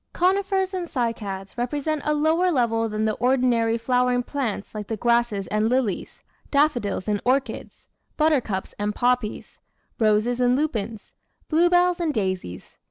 Conifers and Cycads represent a lower level than the ordinary flowering plants like grasses and lilies, daffodils and orchids, buttercups and poppies, roses and lupins, bluebells and daisies.